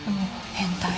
「変態」